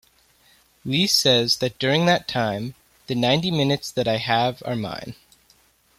Li says that during that time, '...the ninety minutes that I have are mine.